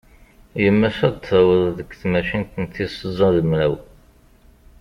Yemma-s ad d-taweḍ deg tmacint n tis tẓa d mraw.